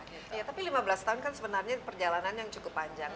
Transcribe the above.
iya tapi lima belas tahun kan sebenarnya perjalanan yang cukup panjang